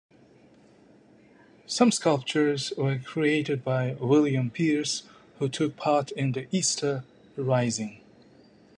Some sculptures were created by William Pearse who took part in the Easter Rising.